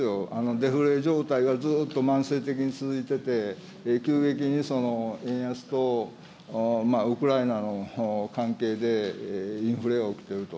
デフレ状態がずっと慢性的に続いてて、急激に円安とウクライナの関係で、インフレが起きていると。